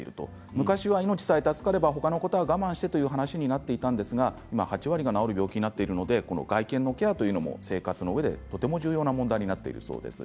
昔は命さえ助かれば他のことは我慢してという話になっていたんですが今は８割が治る病気になっているので体形のケアも生活のうえでとても重要な問題になっているそうです。